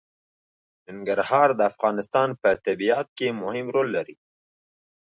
ننګرهار د افغانستان په طبیعت کې مهم رول لري.